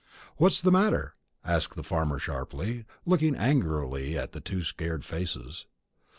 "What's the matter?" asked the farmer sharply, looking angrily at the two scared faces.